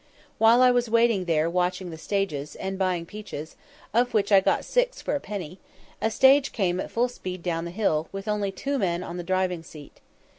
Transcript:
While I was waiting there watching the stages, and buying peaches, of which I got six for a penny, a stage came at full speed down the hill, with only two men on the driving seat.